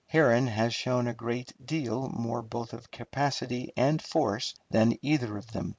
Herron has shown a great deal more both of capacity and force than either of them.